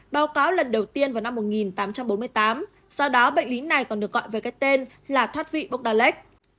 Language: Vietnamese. báo cáo lần đầu tiên vào năm một nghìn tám trăm bốn mươi tám do đó bệnh lý này còn được gọi với cái tên là thoát vị bokdalek